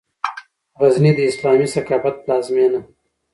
غزني د اسلامي ثقافت پلازمېنه